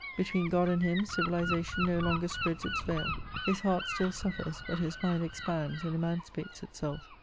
Between God and him civilization no longer spreads its veil. His heart still suffers, but his mind expands and emancipates itself.